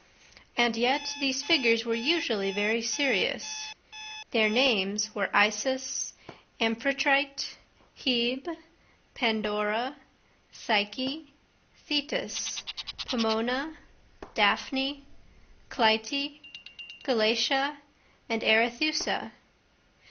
And yet these figures were usually very serious. Their names were Isis, Amphitrite, Hebe, Pandora, Psyche, Thetis, Pomona, Daphne, Clytie, Galatea and Arethusa.